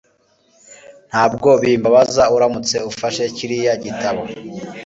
Ntabwo bimbabaza uramutse ufashe kiriya gitabo